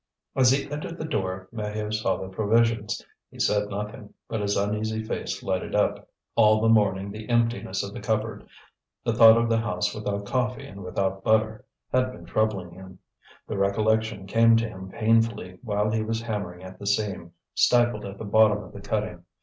As he entered the door Maheu saw the provisions. He said nothing, but his uneasy face lighted up. All the morning the emptiness of the cupboard, the thought of the house without coffee and without butter, had been troubling him; the recollection came to him painfully while he was hammering at the seam, stifled at the bottom of the cutting.